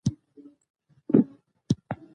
د جیم کرو اصطلاح د یوې سندرې او نڅا څخه اخیستل شوې وه.